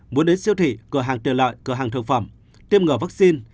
muốn đến siêu thị cửa hàng tiền loại cửa hàng thực phẩm tiêm ngờ vaccine